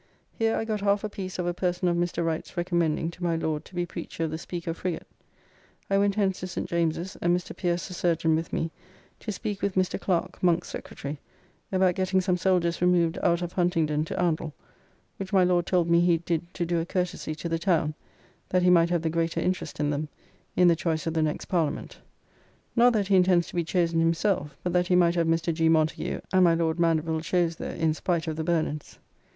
Here I got half a piece of a person of Mr. Wright's recommending to my Lord to be Preacher of the Speaker frigate. I went hence to St. James's and Mr. Pierce the surgeon with me, to speak with Mr. Clerke, Monk's secretary, about getting some soldiers removed out of Huntingdon to Oundle, which my Lord told me he did to do a courtesy to the town, that he might have the greater interest in them, in the choice of the next Parliament; not that he intends to be chosen himself, but that he might have Mr. G. Montagu and my Lord Mandeville chose there in spite of the Bernards.